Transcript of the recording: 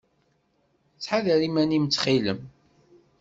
Ttḥadar iman-im, ttxil-m!